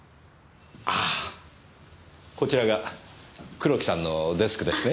ああこちらが黒木さんのデスクですね？